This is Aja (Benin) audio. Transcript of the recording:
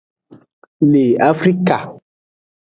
Le afrka.